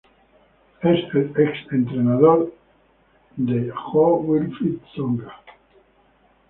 Es el ex entrenador de Jo-Wilfried Tsonga.